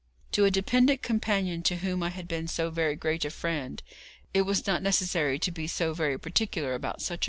To a dependent companion to whom I had been so very great a friend, it was not necessary to be so very particular about such a trifle.